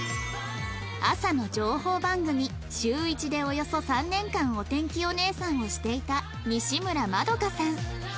朝の情報番組『シューイチ』でおよそ３年間お天気お姉さんをしていた西村まどかさん